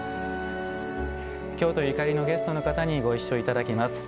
京都にゆかりのあるゲストの方にご一緒いただきます。